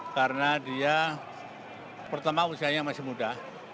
karena dia pertama usianya masih muda